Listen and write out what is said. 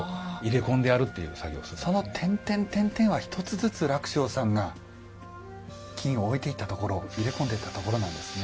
その点々点々は一つずつ礫翔さんが金を置いていったところ入れ込んでいったところなんですね。